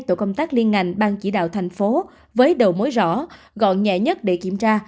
tổ công tác liên ngành bang chỉ đạo thành phố với đầu mối rõ gọn nhẹ nhất để kiểm tra